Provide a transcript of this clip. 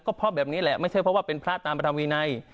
ก็เพราะแบบนี้แหละไม่ใช่เพราะว่าเป็นพระตามพระธรรมวินัย